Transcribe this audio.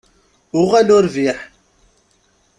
Uɣal urbiḥ!